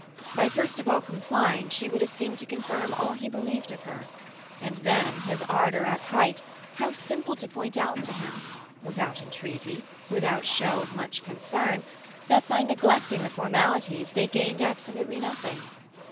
By first of all complying she would have seemed to confirm all he believed of her; and then, his ardour at height, how simple to point out to him—without entreaty, without show of much concern—that by neglecting formalities they gained absolutely nothing.